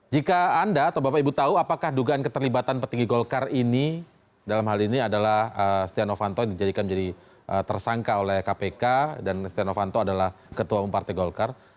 jika anda atau bapak ibu tahu apakah dugaan keterlibatan petinggi golkar ini dalam hal ini adalah setia novanto yang dijadikan menjadi tersangka oleh kpk dan setia novanto adalah ketua umum partai golkar